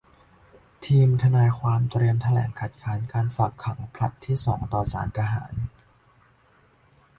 ทีมทนายความเตรียมแถลงคัดค้านการฝากขังผลัดที่สองต่อศาลทหาร